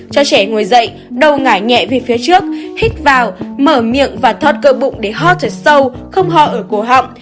cho trẻ ngồi dậy đầu ngải nhẹ về phía trước hít vào mở miệng và thoát cơ bụng để ho thật sâu không ho ở cổ họng